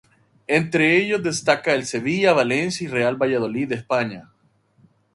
Entre ellos destacan el Sevilla, Valencia y Real Valladolid de España.